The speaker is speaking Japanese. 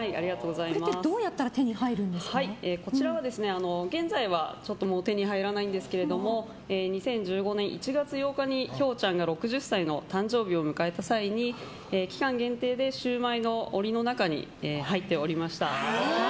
これってどうやったらこちらは現在は手に入らないんですけども２０１５年１月８日にひょうちゃんが６０歳の誕生日を迎えた際に期間限定でシウマイの折の中に入っておりました。